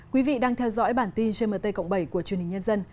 quý vị đang theo dõi bản tin gmt cộng bảy của truyền hình nhân dân